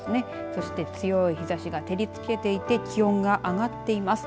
そして強い日ざしが照りつけていて気温が上がっています。